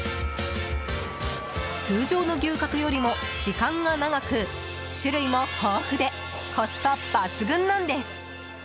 通常の牛角よりも時間が長く種類も豊富でコスパ抜群なんです。